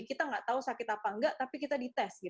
kita nggak tahu sakit apa enggak tapi kita dites